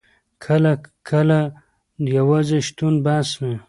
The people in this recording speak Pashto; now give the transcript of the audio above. کله کله یوازې شتون بس وي.